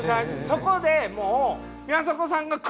そこでもう。